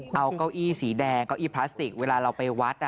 ว่าสีแดงเก้าอี้พลาสติกเวลาเราไปวัด